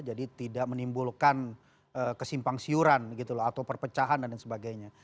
jadi tidak menimbulkan kesimpangsiuran gitu loh atau perpecahan dan sebagainya